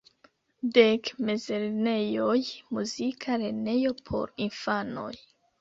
Dek mezlernejoj, muzika lernejo por infanoj.